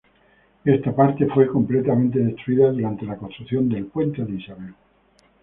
Esta parte fue completamente destruida durante la construcción del Puente de Isabel.